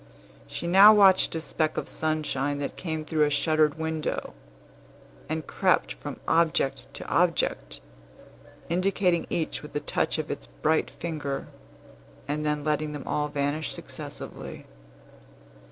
She now watched a speck of sunshine that came through a shuttered window, and crept from object to object, indicating each with a touch of its bright finger, and then letting them all vanish successively.